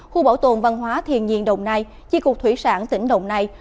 khu bảo tồn văn hóa thiên nhiên đồng nai chi cục thủy sản tỉnh đồng nai